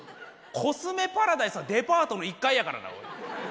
コスメパラダイスはデパートの１階やからな。